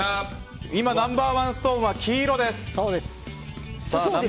今ナンバー１ストーンは黄色です。